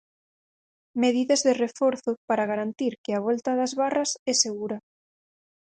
Medidas de reforzo para garantir que a volta das barras é segura.